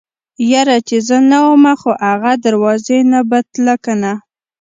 يره چې زه نه ومه خو اغه دروازې نه به تله کنه.